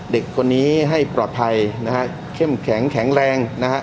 เด็กคนนี้ให้ปลอดภัยนะฮะเข้มแข็งแข็งแรงนะฮะ